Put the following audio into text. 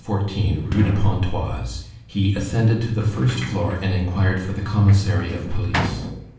14, Rue de Pontoise, he ascended to the first floor and inquired for the commissary of police.